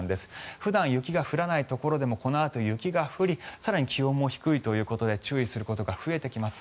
普段雪が降らないところでもこのあと雪が降り更に気温も低いということで注意することが増えてきます。